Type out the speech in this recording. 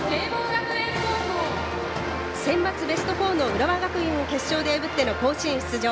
センバツベスト４の浦和学院を決勝で破っての甲子園出場。